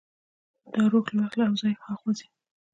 دا روح له وخت او ځای هاخوا ځي.